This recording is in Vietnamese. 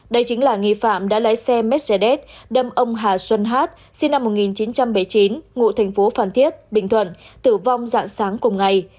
đây chính là nghi phạm đã lái xe mercedes đâm ông hà xuân hát sinh năm một nghìn chín trăm bảy mươi chín ngụ thành phố phan thiết bình thuận tử vong dạng sáng cùng ngày